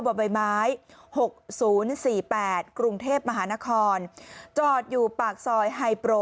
บะไบไม้หกศูนย์สี่แปดกรุงเทพมหานครจอดอยู่ปากซอยไฮโปร